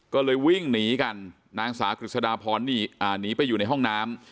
ก็เลยวิ่งหนีกันนางสาวกฤษฎาพรหนีไปอยู่ในห้องน้ำ